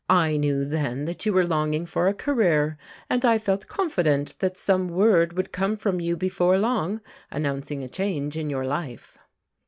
I knew then that you were longing for a career, and I felt confident that some word would come from you before long, announcing a change in your life.